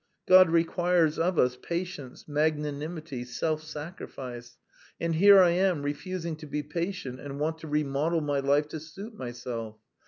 God requires of us patience, magnanimity, self sacrifice, and here I am refusing to be patient and want to remodel my life to suit myself.